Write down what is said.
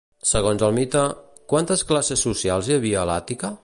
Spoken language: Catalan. Segons el mite, quantes classes socials hi havia a l'Àtica?